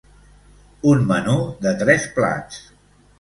Un menú de tres plats.